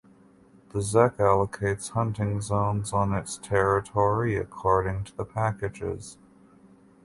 The zec allocates hunting zones on its territory according to the packages.